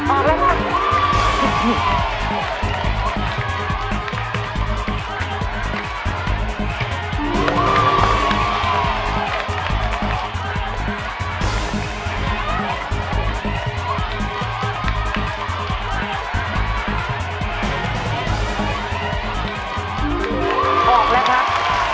ออกแล้วครับ